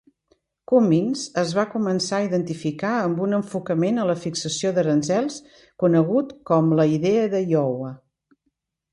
Cummins es va començar a identificar amb un enfocament a la fixació d'aranzels conegut com "la idea d'Iowa.